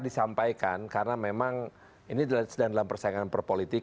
disampaikan karena memang ini dalam persaingan perpolitika